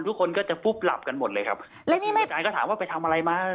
ทุกคนก็จะฟุบหลับกันหมดเลยครับแล้วนี่อาจารย์ก็ถามว่าไปทำอะไรมา